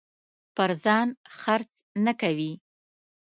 پر ځان خرڅ نه کوي.